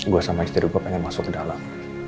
gue sama istri gue pengen masuk ke dalam